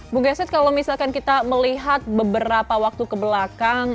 bu gesit kalau misalkan kita melihat beberapa waktu kebelakang